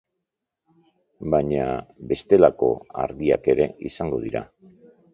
Baina bestelako harginak ere izango dira.